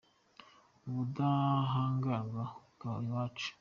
Ubudahangarwa bukaba ubwacu.